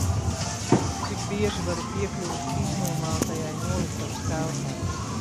Cik bieži varu piekļūt iznomātajai noliktavas telpai?